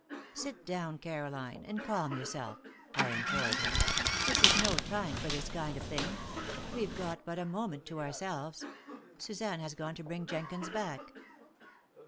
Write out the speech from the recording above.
"Sit down, Caroline, and calm yourself," I implored her. "This is no time for this kind of thing. We've got but a moment to ourselves. Suzanne has gone to bring Jenkins back."